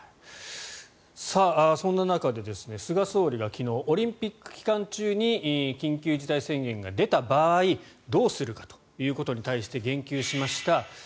そんな中で菅総理が昨日オリンピック期間中に緊急事態宣言が出た場合どうするかということに対して言及しました。